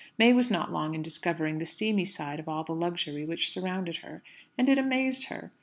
May was not long in discovering the seamy side of all the luxury which surrounded her; and it amazed her.